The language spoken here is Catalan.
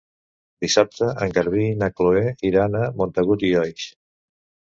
Dissabte en Garbí i na Chloé iran a Montagut i Oix.